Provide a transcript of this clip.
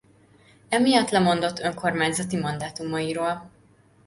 Emiatt lemondott önkormányzati mandátumairól.